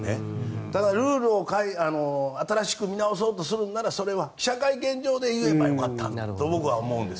ただ、ルールを新しく見直そうとするなら記者会見場で言えばよかったと僕は思います。